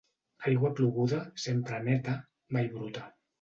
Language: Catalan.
Aigua ploguda, sempre neta, mai bruta.